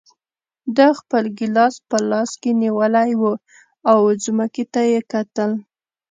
ده خپل ګیلاس په لاس کې نیولی و او ځمکې ته یې کتل.